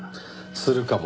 するかも。